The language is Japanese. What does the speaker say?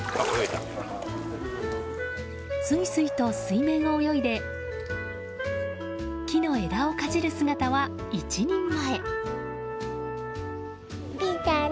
すいすいと水面を泳いで木の枝をかじる姿は一人前。